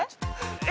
え？